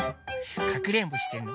かくれんぼしてんの？